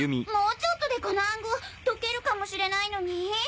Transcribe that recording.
もうちょっとでこの暗号解けるかもしれないのに？